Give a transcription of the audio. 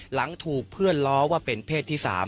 หลังถูกเพื่อนล้อว่าเป็นเพศที่๓